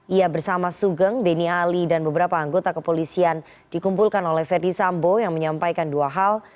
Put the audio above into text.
ia bersama sugeng beni ali dan beberapa anggota kepolisian dikumpulkan oleh ferdi sambo yang menyampaikan dua hal